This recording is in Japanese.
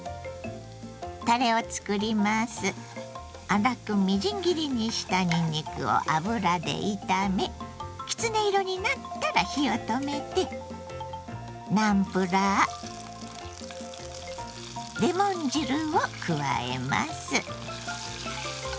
粗くみじん切りにしたにんにくを油で炒めきつね色になったら火を止めてナムプラーレモン汁を加えます。